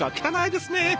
汚いですね！